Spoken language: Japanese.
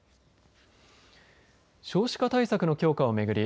少子化対策の強化を巡り